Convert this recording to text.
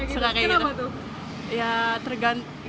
suka kayak gitu kenapa tuh